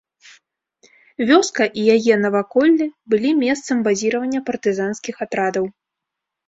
Вёска і яе наваколле былі месцам базіравання партызанскіх атрадаў.